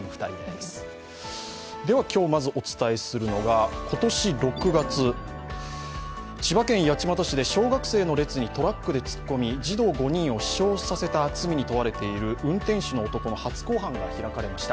今日まずお伝えするのが今年６月、千葉県八街市で小学生の列にトラックで突っ込み、児童５人を死傷させた罪に問われている運転手の男の初公判が開かれました。